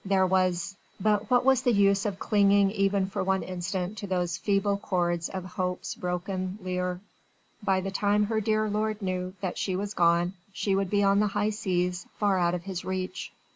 There was.... But what was the use of clinging even for one instant to those feeble cords of Hope's broken lyre? By the time her dear lord knew that she was gone, she would be on the high seas, far out of his reach.